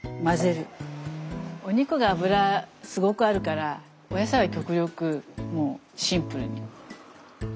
お肉が脂すごくあるからお野菜は極力もうシンプルに。